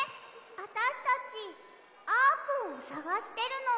あたしたちあーぷんをさがしてるの。